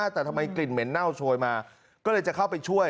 แต่ทำไมกลิ่นเหม็นเน่าโชยมาก็เลยจะเข้าไปช่วย